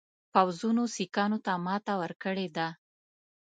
پوځونو سیکهانو ته ماته ورکړې ده.